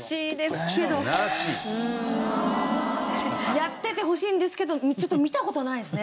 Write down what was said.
やっててほしいんですけどちょっと見た事ないですね